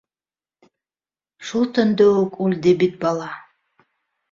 Шул төндө үк үлде бит бала!